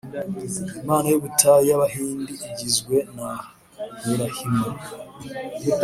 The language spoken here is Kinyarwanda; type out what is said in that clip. imana y’ubutatu y’abahindi igizwe na burahima